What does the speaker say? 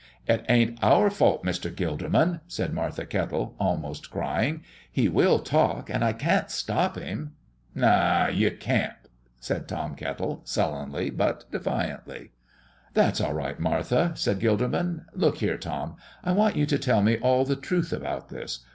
"It ain't our fault, Mr. Gilderman," said Martha Kettle, almost crying. "He will talk, and I can't stop him." "No, you can't," said Tom Kettle, sullenly but defiantly. "That's all right, Martha," said Gilderman. "Look here, Tom; I want you to tell me all the truth about this.